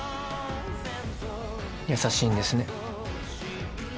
優しいんですね。